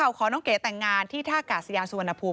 แต่งค่ะน้องเก๋ต่างานที่ธ้ากาศยาสุวรรณภูมิ